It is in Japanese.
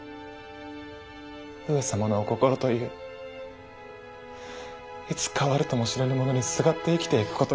上様のお心といういつ変わるともしれぬものにすがって生きていくことが。